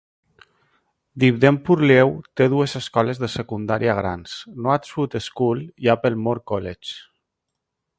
Dibden Purlieu té dues escoles de secundàries grans; Noadswood School i Applemore College.